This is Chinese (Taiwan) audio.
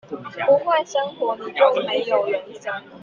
不會生活，你就沒有人生